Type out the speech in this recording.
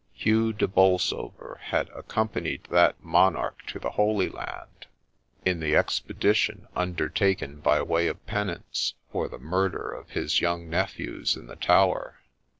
Hugh de Bolsover had accompanied that monarch to the Holy Land, in the expedition undertaken by way of penance for the murder of his young nephews in the Tower.